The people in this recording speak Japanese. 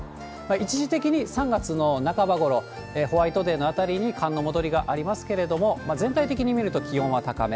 一時的に３月の半ばごろ、ホワイトデーのあたりに寒の戻りがありますけれども、全体的に見ると、気温は高め。